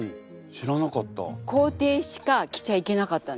知らなかった。